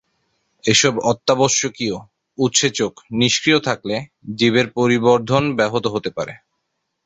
এসব অত্যাবশ্যকীয় উৎসেচক নিষ্ক্রিয় থাকলে জীবের পরিবর্ধন ব্যাহত হতে পারে।